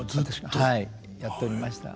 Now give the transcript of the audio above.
はいやっておりました。